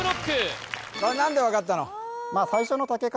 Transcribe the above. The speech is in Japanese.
何で分かったの？